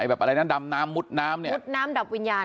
ไอ้แบบอะไรนั้นดำน้ำมุดน้ำเนี่ย